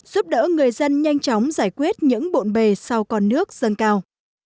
giúp đỡ người dân nhanh chóng giải quyết những bộn bề sau con nước dâng cao